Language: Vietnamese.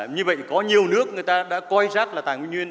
như vậy có nhiều nước người ta đã coi rác là tài nguyên